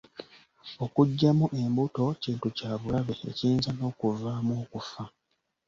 Okuggyamu embuto kintu kya bulabe, ekiyinza n'okuvaamu okufa.